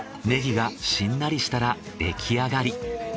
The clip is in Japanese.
ネギがしんなりしたら出来上がり。